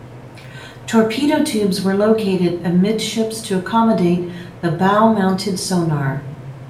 Torpedo tubes were located amidships to accommodate the bow-mounted sonar.